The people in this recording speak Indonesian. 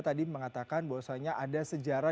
tadi mengatakan bahwasannya ada sejarah